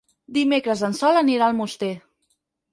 Dimecres en Sol anirà a Almoster.